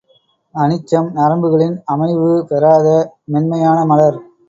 அனிச்சம் நரம்புகளின் அமைவு பெறாத மென்மையான மலர்.